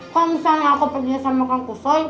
kalo misalnya aku pergi sama kusoi